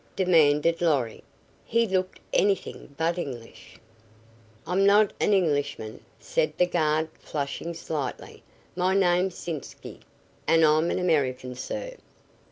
demanded Lorry. He looked anything but English. "I'm not an Englishman," said the guard, flushing slightly. "My name's Sitzky, and I'm an American, sir."